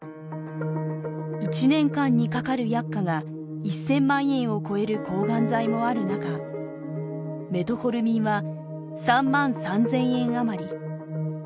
一年間にかかる薬価が１０００万円を超える抗がん剤もあるなかメトホルミンは３万３０００円余り。